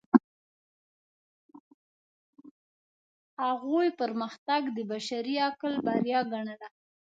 هغوی پرمختګ د بشري عقل بریا ګڼله.